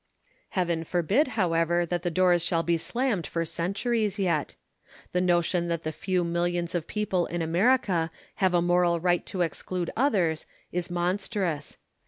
Heaven forbid, however, that the doors shall be slammed for centuries yet. The notion that the few millions of people in America have a moral right to exclude others is monstrous.